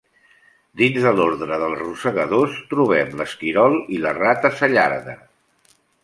Dins de l'ordre dels rosegadors, trobem l'esquirol i la rata cellarda.